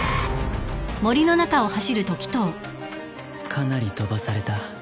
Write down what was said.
かなり飛ばされた。